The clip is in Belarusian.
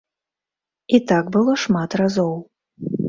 І так было шмат разоў.